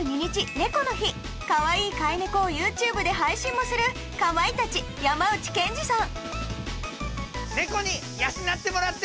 猫の日かわいい飼い猫をＹｏｕＴｕｂｅで配信もするかまいたち・山内健司さん